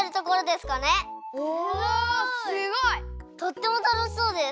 すごい！とってもたのしそうです。